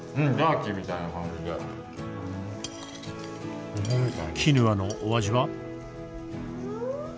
キヌアのお味は？